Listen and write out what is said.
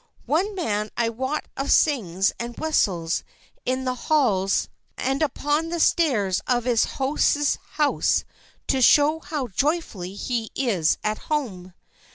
One man I wot of sings and whistles in the halls and upon the stairs of his host's house to show how joyfully he is at home.